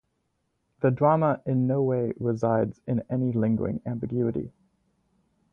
The drama in no way resides in any lingering ambiguity.